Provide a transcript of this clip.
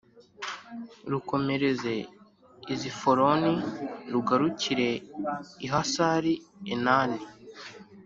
rukomereze i zifuroni rugarukire i hasari enani